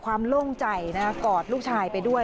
ความโล่งใจนะคะกอดลูกชายไปด้วย